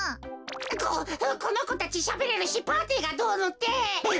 ここのこたちしゃべれるしパーティーがどうのってほら！